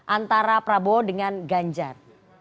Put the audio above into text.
antara prabowo dengan ganjar